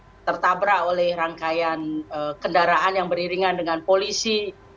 mereka tertabrak oleh rangkaian kendaraan yang beriringan dengan polisi